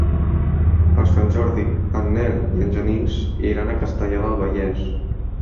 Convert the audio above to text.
Per Sant Jordi en Nel i en Genís iran a Castellar del Vallès.